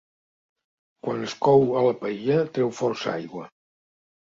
Quan es cou a la paella treu força aigua.